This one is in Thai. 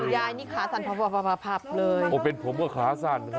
ยายนี่ขาสั่นผับเลยโอ้เป็นผมก็ขาสั่น